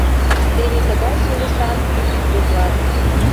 Теве тыгай шӱлышан пӱтынь доклад.